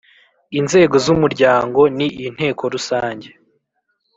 Inzego z umuryango ni inteko rusange